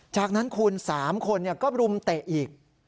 จากนั้นคุณ๓คนก็รุมเตะอีก